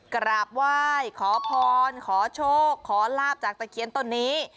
กราบไหว้ขอพรขอโชคขอลาบจากตะเคียนต้นนี้